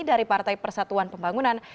dari partai persatuan pembangunan